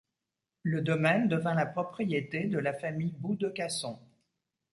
Le domaine devint la propriété de la famille Boux de Casson.